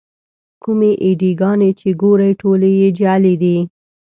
کومې اې ډي ګانې چې ګورئ ټولې یې جعلي دي.